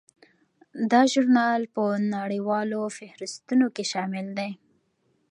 دا ژورنال په نړیوالو فهرستونو کې شامل دی.